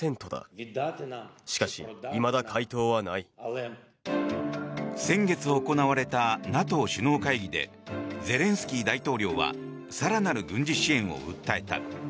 お申込みは先月行われたＮＡＴＯ首脳会議でゼレンスキー大統領は更なる軍事支援を訴えた。